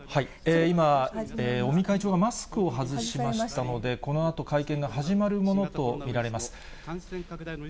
今、尾身会長がマスクを外しましたので、このあと会見が始まるものと見られます。